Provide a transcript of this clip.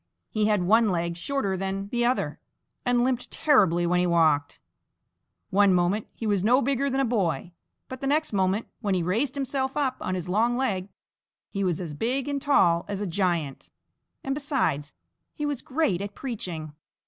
He had one leg shorter than the other, and limped terribly when he walked. One moment he was no bigger than a boy, but the next moment when he raised himself up on his long leg he was as big and tall as a giant and besides he was great at preaching.